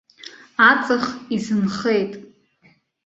Аҵх изынхеит.